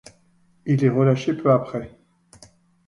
Il est relâché peu après.